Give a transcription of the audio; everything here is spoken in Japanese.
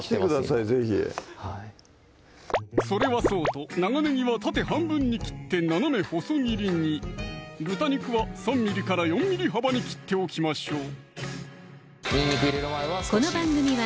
是非それはそうと長ねぎは縦半分に切って斜め細切りに豚肉は３ｍｍから４ｍｍ幅に切っておきましょう